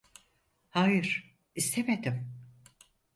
Hayır, istemedim.